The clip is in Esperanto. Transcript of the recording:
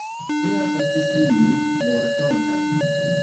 Iam estis iu mortonta.